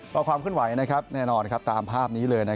ว่าความคลื่นไหวแน่นอนตามภาพนี้เลย